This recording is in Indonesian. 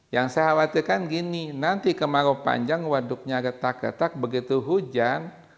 yang saya khawatirkan gini nanti kemarau panjang waduknya retak retak begitu hujan